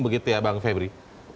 begitu ya bang febri